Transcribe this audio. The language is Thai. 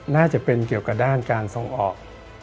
น่าจะเป็นเกี่ยวกับด้านการส่งออก